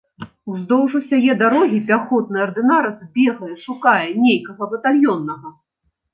Уздоўж усяе дарогі пяхотны ардынарац бегае, шукае нейкага батальённага.